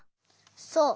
そう。